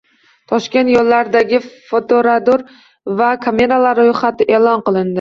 Toshkent yo‘llaridagi fotoradar va kameralar ro‘yxati e'lon qilindi